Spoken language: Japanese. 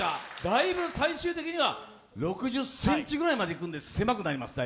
だいぶ最終的には６０ｃｍくらいまでいくので、狭くなります。